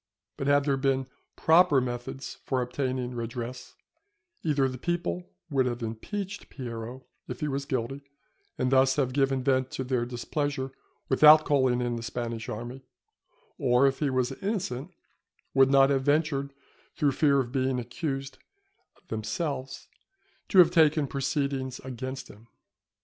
But had there been proper methods for obtaining redress, either the people would have impeached Piero if he was guilty, and thus have given vent to their displeasure without calling in the Spanish army; or if he was innocent, would not have ventured, through fear of being accused themselves, to have taken proceedings against him.